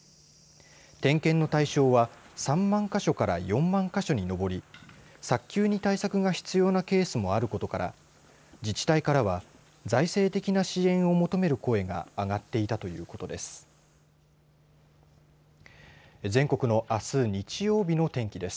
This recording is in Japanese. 点検の対象は３万か所から４万か所に上り早急に対策が必要なケースもあることから自治体からは、財政的な支援を求める声が上がっていたということです。